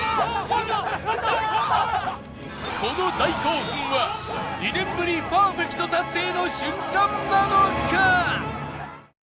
この大興奮は２年ぶりパーフェクト達成の瞬間なのか？